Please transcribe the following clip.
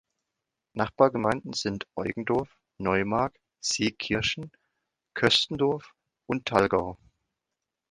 Nachbargemeinden sind Eugendorf, Neumarkt, Seekirchen, Köstendorf und Thalgau.